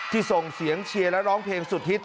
ส่งเสียงเชียร์และร้องเพลงสุดฮิต